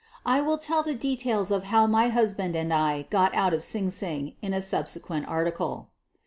I will tell the details of how my hus band and I got out of Sing Sing in a subsequen article.